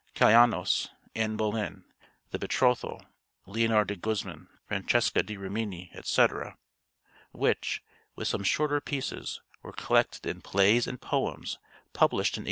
'Calaynos,' 'Anne Boleyn,' 'The Betrothal,' 'Leonor de Guzman,' 'Francesca da Rimini,' etc., which, with some shorter pieces, were collected in 'Plays and Poems,' published in 1856.